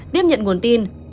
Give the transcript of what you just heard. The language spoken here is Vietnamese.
điếp nhận nguồn tin